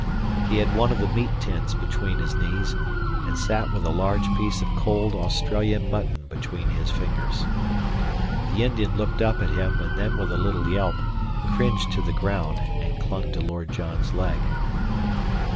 He had one of the meat tins between his knees, and sat with a large piece of cold Australian mutton between his fingers. The Indian looked up at him, and then, with a little yelp, cringed to the ground and clung to Lord John's leg.